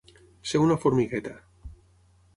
Ser una formigueta.